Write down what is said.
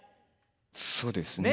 そうですね。